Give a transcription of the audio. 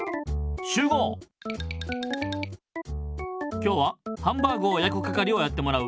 今日はハンバーグをやくかかりをやってもらう。